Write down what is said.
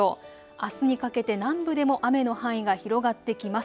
あすにかけて南部でも雨の範囲が広がってきます。